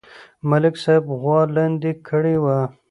ملک صاحب غوا لاندې کړې وه